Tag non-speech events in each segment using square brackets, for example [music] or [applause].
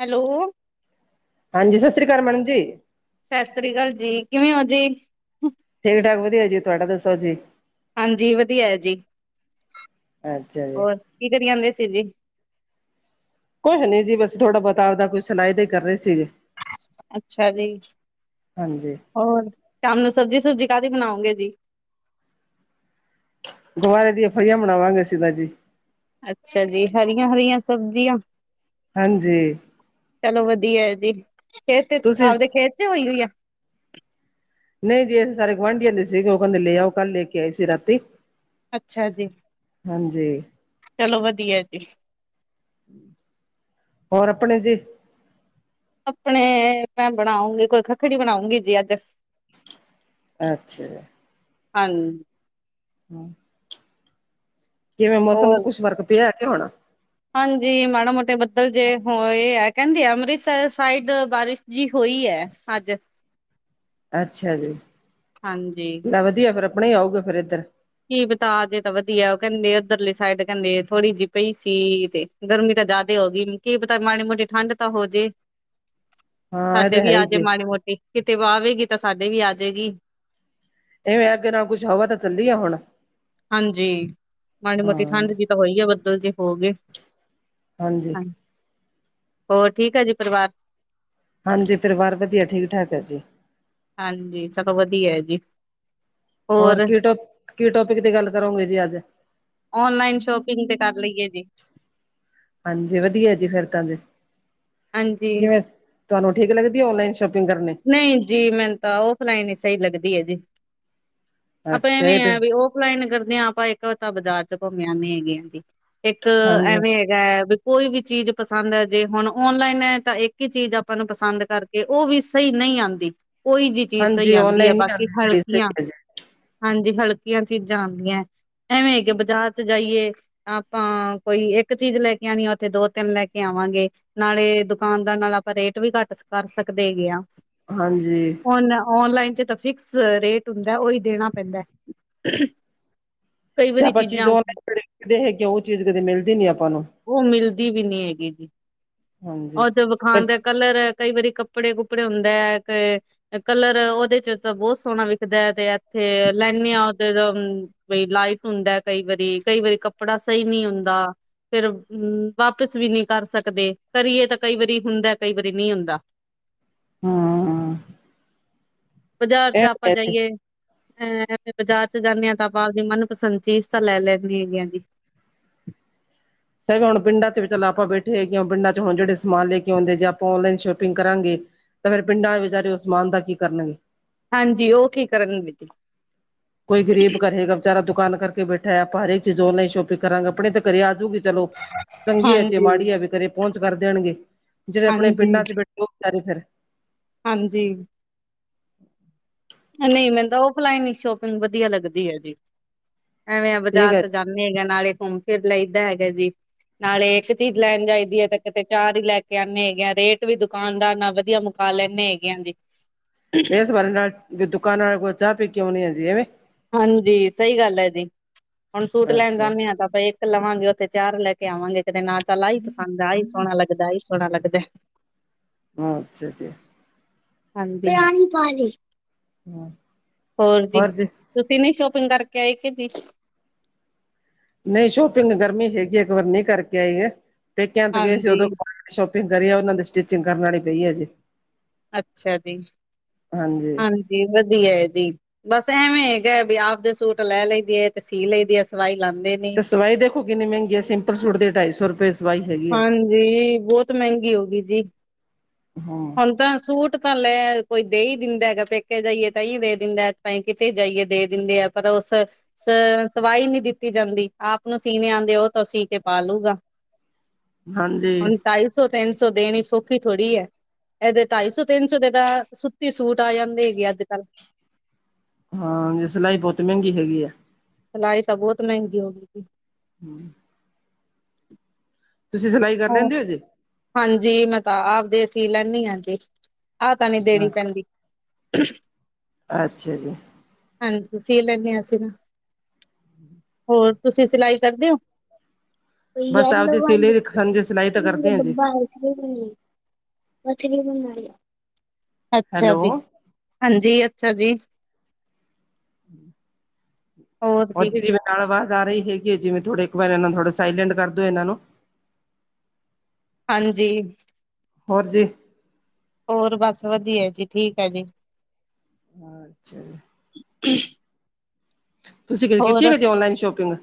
Hello. ਹਾਂਜੀ ਸਤਿ ਸ਼੍ਰੀ ਅਕਾਲ ਮੈਡਮ ਜੀ। ਸਤਿ ਸ੍ਰੀ ਅਕਾਲ ਜੀ ਕਿਵੇਂ ਓ ਜੀ? ਠੀਕ ਠਾਕ ਵਧੀਆ ਜੀ ਤੁਹਾਡਾ ਦੱਸੋ ਜੀ? ਹਾਂਜੀ ਵਧੀਆ ਐ ਜੀ ਅੱਛਾ ਜੀ ਹੋਰ ਕੀ ਕਰੀ ਜਾਂਦੇ ਸੀ ਜੀ? ਕੁੱਛ ਨੀ ਜੀ ਬਸ ਥੋੜਾ ਬਹੁਤਾ ਆਪਦਾ ਕੋਈ ਸੁਣਾਏ ਤੇ ਕਰ ਰੇ ਸੀਗੇ। ਅੱਛਾ ਜੀ ਹਾਂਜੀ ਹੋਰ ਸ਼ਾਮ ਨੂੰ ਸਬਜ਼ੀ ਸੁਬਜ਼ੀ ਕਾਦੀ ਬਣਾਉਂਗੇ ਜੀ? ਦੁਆਏ ਦੀਆਂ ਅਫਾਈਆਂ ਬਣਾਵਾਂਗੇ ਛਿਲਾ ਜੀ। ਅੱਛਾ ਜੀ ਹਰੀਆਂ-ਹਰੀਆਂ ਸਬਜ਼ੀਆਂ। ਹਾਂਜੀ ਚਲੋ ਵਧੀਆ ਜੀ ਖੇਤ ਤੇ ਤੁਸੀਂ ਆਪਦੇ ਖੇਤ ਚ ਹੋਈ-ਹੋਈ ਐ? ਨਈ ਜੀ ਅਸੀ ਸਾਰੇ ਗੁਆਂਢੀਆ ਦੇ ਸੀਗੇ ਓ ਕੈਂਦੇ ਲੇ ਆਓ ਕੱਲ ਲੇ ਕੇ ਆਈ ਸੀ ਰਾਤੀ। ਅੱਛਾ ਜੀ। ਹਾਂਜੀ। ਚਲੋ ਵਧੀਆ ਜੀ। ਹੋਰ ਆਪਣੇ ਜੀ? ਆਪਣੇ ਮੈਂ ਬਣਾਉਂਗੀ ਕੋਈ ਖੱਖੜੀ ਬਣਾਉਂਗੀ ਜੀ ਅੱਜ। ਅੱਛਾ। ਹਨ ਹੂ,,, ਜਿਵੇਂ ਮੌਸਮ ਚ ਹੋਰ ਕੁੱਛ ਫਰਕ ਪਿਆ ਕੇ ਹੁਣ? ਹਾਂਜੀ ਮਾੜਾ ਮੋਟੇ ਬੱਦਲ ਜੇ ਹੋਏ ਐ ਕੈਂਦੀ ਆ ਅੰਮ੍ਰਿਤਸਰ ਸਾਈਡ ਬਾਰਿਸ਼ ਜੀ ਹੋਈ ਐ ਅੱਜ। ਅੱਛਾ ਜੀ ਹਾਂਜੀ। ਲੈ ਵਧੀਆ ਫਿਰ ਆਪਣੇ ਈ ਆਊਗਾ ਫਿਰ ਏਧਰ। ਕੀ ਬਤਾ ਦੇ ਤਾਂ ਵਧੀਆ ਓ ਕੈਂਦੇ ਉੱਧਰਲੇ ਸਾਈਡ ਕੈਂਦੇ ਥੋੜੀ ਜੀ ਪਈ ਸੀ ਤੇ ਗਰਮੀ ਤਾਂ ਜਾਦਾ ਹੋਗੀ ਕੀ ਪਤਾ ਮਾੜੀ ਮੋਟੀ ਠੰਢ ਤਾਂ ਹੋਜੇ। ਹਾਂ ਇਹ ਹਾਲੇ ਤਾਂ ਵੀ ਹੈ ਹੀ ਆਜੇ ਜੀ ਮਾੜੀ ਮੋਟੀ ਕਿਤੇ ਆਵੇਗੀ ਤਾਂ ਸਾਡੇ ਵੀ ਆਜੇਗੀ। ਇਵੇਂ ਅੱਗੇ ਨਾਲ ਕੁੱਛ ਹਵਾ ਤਾਂ ਚੱਲੀ ਆ ਹੁਣ। ਹਾਂਜੀ ਮਾੜੀ ਮੋਟੀ ਹਾਂ ਠੰਡ ਜੀ ਤਾਂ ਹੋਈ ਆ ਬੱਦਲ ਜੇ ਹੋਗੇ। ਹਾਂਜੀ ਹਾਂ ਹੋਰ ਠੀਕ ਆ ਜੀ ਪਰਿਵਾਰ? ਹਾਂਜੀ ਪਰਿਵਾਰ ਵਧੀਆ ਠੀਕ-ਠਾਕ ਆ ਜੀ। ਹਾਂਜੀ ਸਗੋ ਵਧੀਆ ਐ ਜੀ। ਹੋਰ ਕੀ ਟੋਪ ਕੀ ਟੋਪਿਕ ਦੀ ਗੱਲ ਕਰੋਂਗੇ ਜੀ ਅੱਜ? ਔਨਲਾਈਨ ਸ਼ੋਪਿੰਗ ਤੇ ਕਰ ਲਈਏ, ਜੀ। ਹਾਂਜੀ, ਵਧੀਆ ਜੀ ਫੇਰ ਤਾਂ ਜੇ, ਹਾਂਜੀ ਕਿਵੇਂ? ਤੁਹਾਨੂੰ, ਠੀਕ ਲਗਦੀ ਐ ਓਨਲਾਈਨ ਸ਼ੋਪਿੰਗ ਕਰਨੀ? ਨਈ ਜੀ ਮੈਨੂੰ ਤਾਂ, ਆਫਲਾਈਨ ਈ ਸਹੀ ਲੱਗਦੀ ਐ, ਜੀ ਆਪਾਂ ਅੱਛਾ ਇਹ ਐਵੇਂ ਤੇ ਆ ਵੀ ਓ ਆਫਲਾਈਨ ਕਰਦੇ ਆ ਆਪਾਂ, ਇੱਕ ਤਾਂ ਬਾਜ਼ਾਰ ਚ ਘੁੰਮ ਆਨੇ ਹੈਗੇ ਆ ਜੀ, ਇੱਕ ਹਾਂਜੀ ਐਵੇਂ ਹੈ ਗੈ, ਵੀ ਕੋਈ ਵੀ ਚੀਜ਼ ਪਸੰਦ ਆਜੇ, ਹੁਣ ਔਨਲਾਈਨ ਐ ਤਾਂ ਇੱਕ ਈ ਚੀਜ਼ ਆਪਾਂ ਨੂੰ ਪਸੰਦ ਕਰਕੇ ਉਹ ਵੀ ਸਹੀ ਨਹੀਂ ਆਉਂਦੀ ਕੋਈ ਜਿਹੀ ਚੀਜ਼ ਸਹੀ ਹਾਂਜੀ ਆਉਂਦੀ ਹੈ ਔਨਲਾਈਨ ਨੀ ਬਾਕੀ ਆਉਂਦੀ ਸਹੀ ਸਹੀ ਹਲਕੀਆਂ। ਹੈ ਜੀ ਹਾਂਜੀ ਹਲਕੀਆਂ ਚੀਜ਼ਾਂ ਆਉਂਦੀ ਐਵੇਂ ਕਿ ਬਾਜ਼ਾਰ ਚ ਜਾਈਏ- ਆਪਾਂ ਕੋਈ ਇੱਕ ਚੀਜ਼ ਲੈ ਕੇ ਆਉਣੀ ਏ ਉੱਥੇ ਦੋ ਤਿੰਨ ਲੈ ਕੇ ਆਵਾਂਗੇ। ਨਾਲੇ, ਦੁਕਾਨਦਾਰ ਨਾਲ ਆਪਾਂ ਰੇਟ ਵੀ ਘੱਟ ਕਰ ਸਕਦੇ ਹੈਗੇ ਆਂ। ਹਾਂਜੀ। ਹੁਨ, ਔਨਲਾਈਨ ਚ ਤਾਂ ਫਿਕਸ ਰੇਟ ਹੁੰਦਾ ਉਹ ਹੀ ਦੇਣਾ ਪੈਂਦਾ। ਕਈ ਤੇ ਵਾਰੀ ਆਪਾਂ ਚੀਜ਼ ਚੀਜ਼ਾਂ ਔਨਲਾਈਨ ਲੈੰਦੇ ਹੈਗੇ ਆ, ਉਹ ਚੀਜ਼ ਕਦੇ ਮਿਲਦੀ ਨੀ ਆਪਾਂ ਨੂੰ। ਉਹ, ਮਿਲਦੀ ਵੀ ਨਹੀਂ ਹੈਗੀ ਜੀ। ਹਾਂਜੀ। ਉਹਦੇ ਵਿਖਾਣ ਦਾ ਕਲਰ, ਕਈ ਵਾਰੀ ਕੱਪੜੇ- ਕੁਪੜੇ ਹੁੰਦਾ ਹੈ ਤੇ- ਕਲਰ ਉਹਦੇ ਚ ਤਾਂ ਬਹੁਤ ਸੋਹਣਾ ਵਿਖਦਾ ਹੈ, ਤੇ ਇੱਥੇ ਲੈਂਨੇ ਹਾ ਉਧਰ ਬਈ ਲਾਈਟ ਹੁੰਦਾ ਕਈ ਵਾਰੀ, ਕਈ ਵਾਰੀ ਕੱਪੜਾ ਸਹੀ ਨਹੀਂ ਹੁੰਦਾ। ਫੇਰ ਵਾਪਿਸ ਵੀ ਨੀ ਕਰ ਸਕਦੇ, ਕਰੀਏ ਤਾਂ ਕਈ ਵਾਰੀ ਹੁੰਦਾ, ਕਈ ਵਾਰੀ ਨਹੀਂ ਹੁੰਦਾ। ਹਾਂ ਬਜ਼ਾਰ ਚ, ਆਪਾਂ ਜਾਈਏ- ਐ, ਬਾਜ਼ਾਰ ਚ ਜਾਂਨੇ ਹਾਂ ਤਾਂ ਆਪਾਂ ਆਪਦੀ ਮਨਪਸੰਦ ਚੀਜ਼ ਤਾਂ ਲੈ ਲੈਂਨੇ ਹੈਗੇ ਆ, ਜੀ। ਫੇਰ, ਹੁਣ ਪਿੰਡਾਂ ਚ ਵੀ ਚਲੋ ਆਪਾਂ ਬੈਠੇ ਹੈਗੇ ਹਾਂ, ਪਿੰਡਾਂ ਚ ਹੁਣ ਜਿਹੜੇ ਸਮਾਨ ਲੈ ਕੇ ਆਉਂਦੇ, ਜੇ ਆਪਾਂ ਔਨਲਾਈਨ ਸ਼ੋਪਿੰਗ ਕਰਾਂਗੇ- ਤਾਂ ਫੇਰ ਪਿੰਡਾਂ ਆਲੇ, ਵਿਚਾਰੇ ਉਸ ਸਮਾਨ ਦਾ ਕੀ ਕਰਨਗੇ? ਹਾਂਜੀ, ਉਹ ਕੀ ਕਰਨਗੇ? ਕੋਈ ਗਰੀਬ ਕਹੇਗਾ, ਵਿਚਾਰਾ ਦੁਕਾਨ ਕਰਕੇ ਬੈਠਾ ਹੈ। ਆਪਾਂ ਹਰੇ ਚੀਜ਼ ਔਨਲਾਈਨ ਸ਼ੋਪਿੰਗ ਕਰਾਂਗੇ ਆਪਣੇ ਤੇ ਘਰੇ ਆਜੂਗੀ, ਚਲੋ। ਚੰਗੀ ਐ ਚਾਹੇ ਹਾਂਜੀ, ਮਾੜੀ ਆਵੇ, ਘਰੇ ਪਹੁੰਚ ਕਰ ਦੇਣਗੇ, ਜਿਹੜੇ ਆਪਣੇ ਹਾਂਜੀ, ਪਿੰਡਾਂ, ਚ ਬੈਠੇ ਉਹ ਵਿਚਾਰੇ ਫਿਰ ਹਾਂਜੀ। ਨਹੀਂ, ਮੈਨੂੰ ਤਾਂ ਔਫਲਾਈਨ ਹੀ ਸ਼ੋਪਿੰਗ ਵਧੀਆ ਲੱਗਦੀ ਹੈ ਜੀ। ਐਵੇਂ ਆ ਠੀਕ ਬਾਜ਼ਾਰ ਹੈ ਚ ਜਾ- ਹੈਗਾ, ਨਾਲੇ ਘੁੰਮ ਫਿਰ ਲਈਦਾ ਹੈਗਾ ਜੀ। ਨਾਲੇ ਇੱਕ ਚੀਜ਼ ਲੈਣ ਜਾਈਦੀ ਹੈ, ਤਾਂ ਕਿਤੇ ਚਾਰ ਹੀ ਲੈ ਕੇ ਆਉਂਨੇ ਹੈਗੇ ਆ, ਰੇਟ ਵੀ ਦੁਕਾਨਦਾਰ ਨਾਲ ਵਧੀਆ- ਕਹ ਲੈਂਨੇ, ਹੈਗੇ ਆਂ ਹਾਂਜੀ। ਏਸ ਬਹਾਨੇ ਨਾਲ, ਜੇ ਦੁਕਾਨ ਵਾਲੇ ਕੋ ਚਾਹ ਪੀ ਕੇ ਆਉਨੇ ਆ ਜੀ, ਐਵੇਂ? ਹਾਂਜੀ, ਸਹੀ ਗੱਲ ਹੈ ਜੀ। ਹੁਣ ਸੂਟ ਲੈਣ ਅੱਛਾ ਜਾਂਦੇ ਹਾਂ ਤਾਂ ਫੇਰ- ਲਵਾਂਗੇ, ਉੱਥੇ ਚਾਰ ਲੈ ਕੇ ਆਵਾਂਗੇ, ਕਿਤੇ ਨਾਲ ਚੱਲ ਆ ਈ ਪਸੰਦ, ਆ ਈ ਸੋਹਣਾ ਲੱਗਦਾ, ਆ ਈ ਸੋਹਣਾ ਲੱਗਦੈ। [inaudible] ਅੱਛਾ ਜੀ। ਹਾਂਜੀ, ਹੋਰ ਜੀ? ਤੁਸੀਂ ਨੀ, ਸ਼ੋਪਿੰਗ ਕਰਕੇ ਆਏ ਕਿ ਜੀ? ਨਹੀਂ, ਸ਼ੋਪਿੰਗ ਗਰਮੀ ਹੈਗੀ, ਇਸ ਵਾਰ ਨਹੀਂ ਕਰਕੇ ਆਏ, ਤੇ ਪੇਕਿਆਂ ਦੇ ਗਏ ਸੀ ਹਾਂਜੀ ਉਦੋਂ- ਸ਼ੋਪਿੰਗ ਕਰੀ ਏ, ਉਹਨਾਂ ਦੇ ਸਟਿਚਿੰਗ ਕਰਨ ਵਾਲੀ ਪਈ ਹੈ ਹਜੇ। ਅੱਛਾ ਜੀ। ਹਾਂਜੀ। ਹਾਂਜੀ, ਵਧੀਆ ਹੈ ਜੀ। ਬਸ ਐਵੇਂ ਹੈਗਾ ਵੀ, ਆਪਦੇ ਸੂਟ ਲੈ ਲਈ ਦੇ ਹੈ, ਤੇ ਸੀ ਲਈ ਦੇ ਐ, ਸਵਾਈ ਲਾਂਦੇ ਨੀ। ਤੇ ਸਵਾਈ ਦੇਖੋ, ਕਿੰਨੀ ਮਹਿੰਗੀ ਹੈ, ਸਿੰਪਲ ਸੂਟ ਦੇ ਢਾਈ ਸੌ ਰੁਪਏ। ਸਵਾਈ ਹੈਗੀ ਆ ਹਾਂਜੀ, ਬਹੁਤ ਮਹਿੰਗੀ ਹੋ ਗਈ ਜੀ। ਹਾਂ। ਹੁਣ ਤਾਂ ਸੂਟ ਤਾਂ ਲੈ ਕੋਈ ਦੇ ਈ ਦਿੰਦਾ ਹੈਗਾ, ਪੇਕੇ ਜਾਈਏ ਤਾਂ ਹੀ ਦੇ ਦਿੰਦਾ, ਤਾਂ ਕਿਤੇ ਜਾਈਏ ਦੇ ਦਿੰਦੇ ਆ। [inaudible] ਸ, ਸਵਾਈ ਨਹੀਂ ਦਿੱਤੀ ਜਾਂਦੀ। ਆਪ ਨੂੰ ਸੀਣੇ ਆਉਂਦੇ ਉਹ ਤਾਂ ਸੀ ਕੇ ਪਾ ਲੂਗਾ। ਹਾਂਜੀ ਹੁਣ ਢਾਈ ਸੌ ਤਿੰਨ ਸੌ ਦੇਣੀ ਸੌਖੀ ਧੋੜੀ ਹੈ। ਇਹਦੇ ਢਾਈ ਸੌ ਤਿੰਨ ਸੌ ਦੇ ਤਾਂ, ਸੁੱਤੀ ਸੂਟ ਆ ਜਾਂਦੇ ਹੈਗੇ ਅੱਜ ਕੱਲ। ਹਾਂ ਜੀ ਸਿਲਾਈ ਬਹੁਤ ਮਹਿੰਗੀ ਹੈਗੀ ਹੈ। ਸਲਾਈ ਤਾਂ ਬਹੁਤ ਮਹਿੰਗੀ ਹੋ ਗਈ ਏ। ਹੂੰ ਤੁਸੀਂ, ਸਿਲਾਈ ਕਰ ਲੈਂਦੇ ਹੋ ਜੀ? ਹਾਂਜੀ, - ਮੈਂ ਤਾਂ ਆਪਦੇ ਅਸੀਂ ਲੈਂਨੀ ਹਾਂ ਜੀ, ਆਹ ਤਾਂ ਨਹੀਂ ਦੇਣੀ ਹਾਂ ਪੈਂਦੀ। [inaudible] ਅੱਛਾ ਜੀ ਹਾਂਜੀ ਸੀ ਲੈਂਦੇ ਹਾਂ ਅਸੀਂ ਨਾ। ਹੋਰ ਤੁਸੀਂ ਸਿਲਾਈ ਸਕਦੇ ਹੋ। [unintelligible] ਹਾਂਜੀ [unintelligible] ਸਲਾਈ [unintelligible] ਅੱਛਾ ਹੈਲੋ ਜੀ ਹਾਂਜੀ ਅੱਛਾ ਜੀ। ਹੂੰ [inaudible] ਹੋ ਜੀ ਜਿਵੇਂ ਨਾਲ ਆਵਾਜ਼ ਆ ਰਹੀ ਹੈਗੀ ਹੈ ਜਿਵੇਂ ਥੋੜ੍ਹੇ ਵਾਰ ਇਹ ਨੂੰ ਥੋੜਾ ਸਾਇਲੈਂਟ ਕਰ ਦਿਉ ਇਹਨਾਂ ਨੂੰ ਹਾਂਜੀ ਹੋਰ ਜੀ। ਹੋਰ ਬਸ ਵਧੀਆ ਜੀ ਠੀਕ ਹੈ ਜੀ। ਅੱਛਾ ਜੀ। [inaudible] ਤੁਸੀਂ ਕਿ ਹੋਰ ਕੀਤੀਆਂ ਕਦੀ ਔਨਲਾਈਨ ਸ਼ੋਪਿੰਗ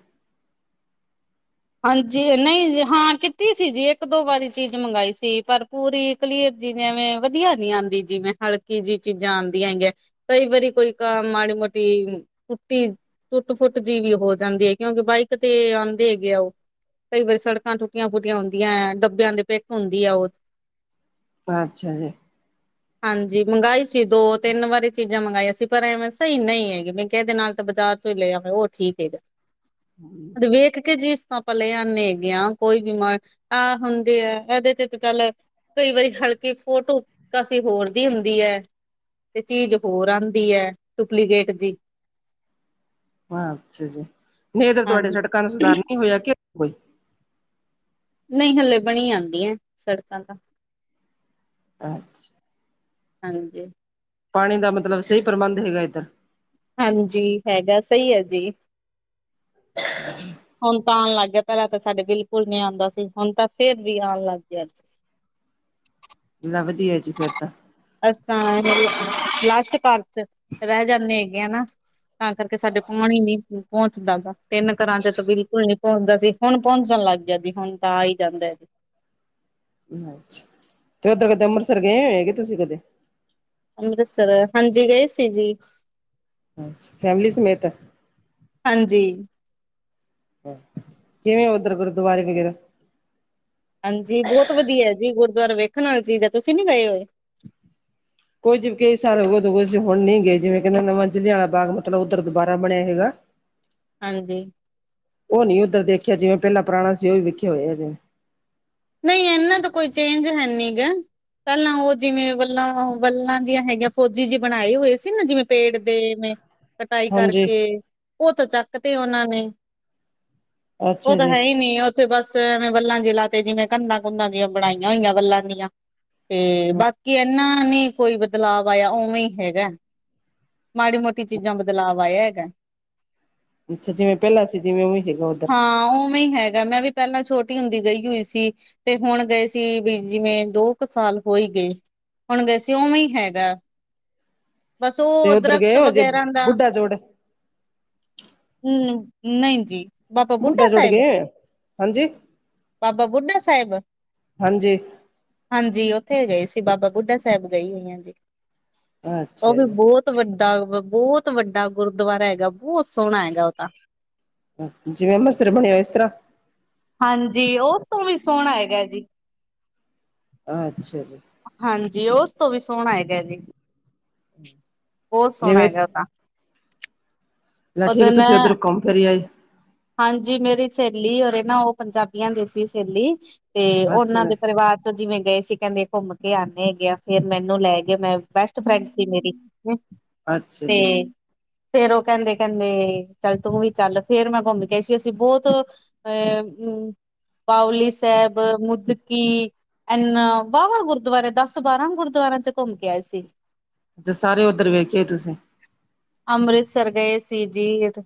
ਹਾਂਜੀ ਨਹੀਂ ਹਾਂ ਕੀਤੀ ਸੀ ਜੀ ਇੱਕ ਦੋ ਵਾਰੀ ਚੀਜ਼ ਮੰਗਾਈ ਸੀ ਪਰ ਪੂਰੀ ਕਲੀਅਰ ਜੀਵੇਂ ਵਧੀਆ ਨੀ ਆਂਦੀ ਜਿਵੇਂ ਹਲਕੀ ਜਿਹੀ ਚੀਜ਼ਾਂ ਆਂਦੀਆਂ ਹੈਗੀਆਂ। ਕਈ ਵਾਰੀ ਕੋਈ ਕ ਮੜੀ ਮੋਟੀ ਕੁੱਟੀ ਟੁੱਟ ਫੁੱਟ ਜਿਹੀ ਵੀ ਹੋ ਜਾਂਦੀ ਹੈ ਕਿਉਂਕਿ ਬਾਈਕ ਤੇ ਆਉਂਦੇ ਹੈਗੇ ਆ ਉਹ ਕਈ ਵਾਰੀ ਸੜਕਾਂ ਟੁੱਟੀਆਂ ਫੁਟੀਆਂ ਹੁੰਦੀਆਂ ਹੈ ਡੱਬਿਆਂ ਦੇ ਪਿੱਕ ਹੁੰਦੀ ਹੈ ਉਹ ਅੱਛਾ ਜੀ। [inaudible] ਹਾਂਜੀ ਮੰਗਵਾਈ ਸੀ ਦੋ ਤਿੰਨ ਵਾਰੀ ਚੀਜ਼ਾਂ ਮੰਗਾਈਆਂ ਸੀ ਪਰ ਐਵੇਂ ਸਹੀ ਨਹੀਂ ਹੈਗੀ ਮੈਂ ਕਹਿ ਦੇ ਨਾਲ ਤਾਂ ਬਾਜ਼ਾਰ ਲੈ ਆ ਉਹ ਠੀਕ ਹੈਗਾ ਵੇਖ ਕੇ ਜੀ ਸਮ ਲਏ ਆਨੇ ਹੈਗੇ ਕੋਈ ਬਿਮਾਰ ਆਹ ਹੁੰਦੇ ਆ ਇਹਦੇ ਤੇ ਚੱਲ ਕਈ ਵਾਰੀ ਹਲਕੀ ਫੋਟੋ ਕਾਸੀ ਹੋਰ ਦੀ ਹੁੰਦੀ ਹੈ। ਤੇ ਚੀਜ਼ ਹੋਰ ਆਂਦੀ ਹੈ ਡੁਪਲੀਕੇਟ ਜੇਹੀ ਅੱਛਾ ਜੀ ਨਹੀਂ ਇਧਰ ਤੁਹਾਡੇ ਹਾਂਜੀ ਸੜਕਾਂ ਨੂੰ ਸੁਧਾਰ ਨਹੀਂ ਹੋਇਆ ਕਿ ਕੋਈ ਨਹੀਂ ਹਲੇ ਬਣੀ ਜਾਂਦੀਆਂ ਸੜਕਾਂ ਤਾਂ ਅੱਛਾ ਹਾਂਜੀ ਪਾਣੀ ਦਾ ਮਤਲਬ ਸਹੀ ਪ੍ਰਬੰਧ ਹੈਗਾ ਇੱਧਰ ਹਾਂਜੀ ਹੈਗਾ ਸਹੀ ਹੈ ਜੀ। [unintelligible] ਹੁਣ ਤਾਂ ਆਉਣ ਲੱਗ ਗਿਆ ਪਹਿਲਾਂ ਤਾਂ ਸਾਡੇ ਬਿਲਕੁਲ ਨੀ ਆਉਂਦਾ ਸੀ ਹੁਣ ਤਾਂ ਫਿਰ ਵੀ ਆਉਣ ਲੱਗ ਗਿਆ। ਲਾ ਵਧੀਆ ਜੀ ਫੇਰ ਤਾਂ ਅਸੀ ਤਾਂ ਲਾਸ਼ਟ ਘਾਰ 'ਚ ਰਹਿ ਜਾਂਦੇ ਹੈਗੇ ਨਾ। ਤਾਂ ਕਰਕੇ ਸਾਡੇ ਪਾਣੀ ਹੀ ਨਹੀਂ ਪਹੁੰਚਦਾ ਵਾ। ਤਿੰਨ ਘਰਾਂ 'ਚ ਤਾਂ ਬਿਲਕੁਲ ਨੀ ਪਹੁੰਚਦਾ ਸੀ ਹੁਣ ਪਹੁੰਚਣ ਲੱਗ ਗਿਆ ਜੀ ਹੁਣ ਤਾਂ ਆ ਹੀ ਜਾਂਦਾ। ਅੱਛਾ ਤੇ ਉੱਧਰ ਕਦੇ ਅੰਮ੍ਰਿਤਸਰ ਗਏ ਹੋਏ ਹੈਗੇ ਤੁਸੀਂ ਕਦੇ ਅੰਮ੍ਰਿਤਸਰ ਹਾਂਜੀ ਗਏ ਸੀ ਜੀ। ਅੱਛਾ ਫੈਮਲੀ ਸਮੇਤ ਹਾਂਜੀ ਕਿਵੇਂ ਉਧਰ ਗੁਰਦੁਵਾਰੇ ਵਗੈਰਾ ਹਾਂਜੀ, ਬਹੁਤ ਵਧੀਆ ਜੀ ਗੁਰਦੁਆਰਾ ਵੇਖਣ ਵਾਲੀ ਚੀਜ਼ ਹੈ ਤੁਸੀਂ ਨੀ ਗਏ ਹੋਏ। ਕੋਈ ਜ ਕਈ ਸਾਲ ਹੋ ਉਦੋ ਹੁਣ ਨਹੀਂ ਗਏ ਜਿਵੇਂ ਕਹਿੰਦੇ ਨਵਾਂ ਜ਼ਿਲ੍ਹਿਆਂ ਵਾਲਾ ਬਾਗ ਮਤਲਬ ਉੱਧਰ ਦੁਬਾਰਾ ਬਣਿਆ ਹੈਗਾ। ਹਾਂਜੀ। ਉਹ ਨੀ ਉੱਧਰ ਦੇਖਿਆ ਜਿਵੇਂ ਪਹਿਲਾਂ ਪੁਰਾਣਾ ਸੀ ਉਹ ਵੀੇਖੇ ਹੋਏ ਆ ਜਿਵੇਂ। ਨਹੀਂ, ਇਹਨਾਂ ਤੋਂ ਕੋਈ ਚੇਂਜ ਹੈਨੀ ਗ। ਪਹਿਲਾਂ ਉਹ ਜਿਵੇਂ ਵੱਲਾਂ ਵੱਲਾਂ ਜਿਆਂ ਹੈਗੀਆਂ ਫੌਜੀ ਜਿ ਬਣਾਏ ਹੋਏ ਸੀ ਨਾ ਜਿਵੇਂ ਪੇੜ ਦੇਵੇ। ਕਟਾਈ ਹਾਂਜੀ ਕਰਕੇ ਉਹਥ ਚੱਕ ਤੇ ਉਹਨਾਂ ਨੇ। ਉਹ ਅੱਛਾ ਤਾਂ ਜੀ ਹੈ, ਹੀ ਨੀ। ਉੱਥੇ ਬਸ ਐਵੇਂ ਵੱਲਾਂ ਜੇ ਲ ਤੇ ਜਿਵੇਂ ਕੰਧਾਂ- ਕੁੰਧਾਂ ਦੀਆਂ ਬਣਾਈਆਂ ਹੋਈਆਂ ਵਲਾਂ ਦੀਆਂ, ਤੇ ਬਾਕੀ ਇਹਨਾ ਨੀ। ਕੋਈ ਬਦਲਾਵ ਆਇਆ ਉਵੇਂ ਹੀ ਹੈਗਾ। ਮਾੜੀ -ਮੋਟੀ ਚੀਜ਼ਾਂ ਬਦਲਾਵ ਆਇਆ ਹੈਗਾ। ਅੱਛਾ ਜਿਵੇਂ ਪਹਿਲਾਂ ਸੀ ਜਿਵੇਂ ਉਵੇਂ ਹੈਗਾ ਉੱਧਰ ਹਾਂ ਉਵੇਂ ਹੀ ਹੈਗਾ। ਮੈਂ ਵੀ ਪਹਿਲਾਂ ਛੋਟੀ ਹੁੰਦੀ ਗਈ। ਹੋਈ ਸੀ। ਤੇ ਹੁਣ ਗਏ ਸੀ ਵੀ, ਜਿਵੇਂ ਦੋ ਕੁ ਸਾਲ ਹੋਈ ਗਏ। ਹੁਣ ਵੈਸੇ ਉਵੇਂ ਹੀ ਹੈਗਾ। ਬਸ ਤੇ ਹੋ ਉੱਧਰ ਦਰਖਤ ਗਏ ਹੋ ਜੇ ਵਗੈਰਾ ਦਾ। ਬੁੱਢਾ ਜੋੜ ਹਮ, ਨਹੀਂ ਜੀ। ਬਾਬਾ ਬੁੱਢਾ ਜੁੜ ਸਾਹਿਬ ਗਏ। ਹਾਂਜੀ। ਬਾਬਾ ਬੁੱਢਾ ਸਾਹਿਬ। ਹਾਂਜੀ ਹਾਂਜੀ। ਉੱਥੇ ਗਏ ਸੀ ਬਾਬਾ ਬੁੱਢਾ ਸਾਹਿਬ ਗਏ ਹੋਈਆਂ ਜੀ। ਉਹ ਅੱਛਾ ਵੀ ਜੀ ਬਹੁਤ ਵੱਡਾ ਬਹੁਤ, ਵੱਡਾ ਗੁਰਦੁਆਰਾ ਹੈਗਾ। ਬਹੁਤ ਸੋਹਣਾ ਹੈਗਾ। ਉਹ ਤਾਂ ਜਿਵੇਂ ਮਸਿਰ ਬਣਿਆ ਹੋ ਇਸ ਤਰ੍ਹਾਂ। ਹਾਂਜੀ, ਉਸ ਤੋਂ ਵੀ ਸੋਹਣਾ ਹੈਗਾ ਜੀ। ਅੱਛਾ ਜੀ। ਹਾਂਜੀ। ਉਸ ਤੋਂ ਵੀ ਸੋਹਣਾ ਹੈਗਾ ਜੀ ਬਹੁਤ ਸੋਹਣਾ ਜਿਵੇਂ ਹੈਗਾ। ਉਹਦਾ- ਚ' ਠੀਕ ਤੁਸੀਂ ਉੱਧਰ ਘੁੰਮ ਫਰੀ ਆ ਜੀ। ਹਾਂਜੀ, ਮੇਰੀ ਸਹੇਲੀ ਰੇ ਨਾ ਉਹ ਪੰਜਾਬੀਆਂ ਦੇ ਸੀ ਸਹੇਲੀ। ਤੇ ਉਹਨਾਂ ਅੱਛਾ ਦੇ ਪਰਿਵਾਰ ਜਿਵੇਂ ਗਏ ਸੀ ਕਹਿੰਦੇ ਘੁੰਮ ਕੇ ਆਉਂਦੇ ਹੈਗੇ ਫੇਰ ਮੈਨੂੰ ਲੈ ਗ ਮੈਂ ਬੈਸਟ ਫਰੈਂਡ ਸੀ ਮੇਰੀ। ਅੱਛਾ ਜੀ ਤੇ ਫੇਰ ਉਹ ਕਹਿੰਦੇ ਕਹਿੰਦੇ, ਚੱਲ ਤੂੰ ਵੀ ਚੱ, ਲ ਫੇਰ ਮੈਂ ਘੁੰਮ ਕੇ ਸੀ ਅਸੀਂ ਬਹੁਤ ਅਹਮ ਪਾਲੀ ਸਾਹਿਬ, ਮੁਦਕੀ- ਐਨ ਵਾਹਵਾ ਗੁਰਦੁਆਰੇ ਦਸ- ਬਾਰਾਂ ਗੁਰਦੁਆਰਿਆਂ ਚ' ਘੁੰਮ ਕੇ ਆਏ ਸੀ। ਅੱਛਾ ਸਾਰੇ ਉਓਧਰ ਵੇਖੇ ਤੁਸੀਂ। ਅੰਮ੍ਰਿਤਸਰ ਗਏ ਸੀ ਜੀਰ।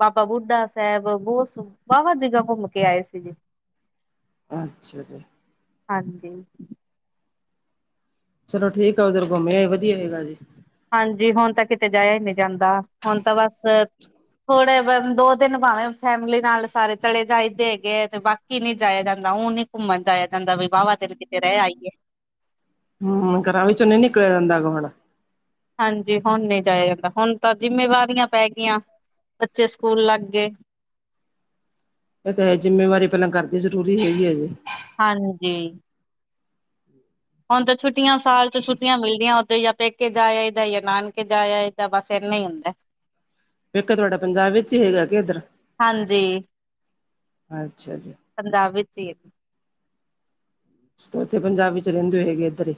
ਬਾਬਾ ਬੁੱਢਾ ਸਾਹਿਬ ਬਹੁਤ ਵਾਹਵਾ ਜ੍ਹਾ ਘੁੰਮ ਕੇ ਆਏ ਸੀਗੇੀ। ਅੱਛਾ ਜੀ। ਹਾਂਜੀ। ਚਲੋ ਠੀਕ ਆ, ਉਧਰ ਘੁੰਮਿਆਏ ਵਧੀਆ ਹੈਗਾ ਜੀ। ਹਾਂਜੀ, ਹੁਣ ਤਾਂ ਕਿਤੇ ਜਾਇਆ ਹੀ ਨਹੀਂ ਜਾਂਦਾ। ਹੁਣ ਤਾਂ ਬਸ ਥੋੜੇ ਦੋ ਦਿਨ ਭਾਵੇਂ ਫੈਮਿਲੀ ਨਾਲ ਸਾਰੇ ਚਲੇ ਜਾਈਦੇ ਹੈਗੇ ਹੈ ਤੇ ਬਾਕੀ ਨੀ ਜਾਇਆ ਜਾਂਦਾ ਹੁਨੀ। ਘੁੰਮਣ ਜਾਇਆ ਜਾਂਦਾ ਵੀ ਵਾਹਵਾ ਤੇਰੇ ਕਿਤੇ ਰਹਿ ਆਈਏ। ਹਮ, ਘਰਾਂ ਵਿੱਚੋਂ ਨ ਨਿਕਲਿਆ ਜਾਂਦਾ ਗ ਹੁਣਾ। ਹਾਂਜੀ, ਹੁਣ ਨਹੀਂ ਜਾਇਆ ਜਾਂਦਾ ਹੁਣ ਤਾਂ ਜਿੰਮੇਵਾਰੀਆਂ ਪੈ ਗਈਆਂ। ਬੱਚੇ ਸਕੂਲ ਲੱਗ ਗਏ। ਇਹ ਤਾਂ ਇਹ ਜਿੰਮੇਵਾਰੀ ਪਹਿਲਾਂ ਕਰਦੀ ਜ਼ਰੂਰੀ ਹੈਗੀ ਹੈ ਜੇ। ਹਾਂਜੀ। ਹੁਣ ਤਾਂ ਛੁੱਟੀਆਂ ਸਾਲ ਚ' ਛੁੱਟੀਆਂ ਮਿਲਦੀਆਂ ਉਥ ਜਾਂ ਪੈਕੇ ਜਾ ਆਏਦਾ ਜਾਂ ਨਾਨਕੇ ਜਾ ਆਏ। ਤਾਂ ਬਸ ਇੰਨਾ ਹੀ ਹੁੰਦਾ। ਵੇਖ ਤੁਹਾਡਾ ਪੰਜਾਬ ਵਿੱਚ ਹੀ ਹੈਗਾ ਕਿ ਇੱਧਰ। ਹਾਂਜੀ, ਅੱਛਾ ਜੀ। ਪੰਜਾਬ ਵਿੱਚ ਹੀ। ਉੱਥੇ ਪੰਜਾਬੀ ਚ ਰਹਿੰਦੇ ਹੋ ਹੈਗੇ ਇੱਧਰ ਹੀ।